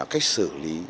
cách xử lý